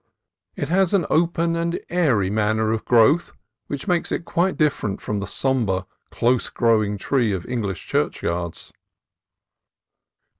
It has an open and airy manner of growth which makes it quite different from the sombre, close growing tree of English churchyards.